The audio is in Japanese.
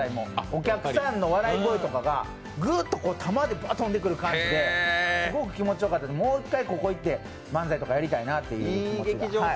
お客さんの笑い声とかぐっと弾で飛んでくる感じですごい気持ちよかったので、もう一回ここに行って漫才とかやりたいなという気持ちが。